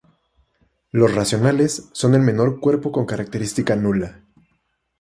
Los racionales son el menor cuerpo con característica nula.